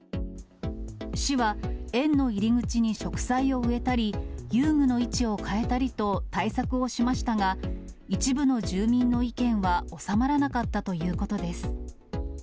市は、園の入り口に植栽を植えたり、遊具の位置を変えたりと、対策をしましたが、一部の住民の意見は収まらなかったということです。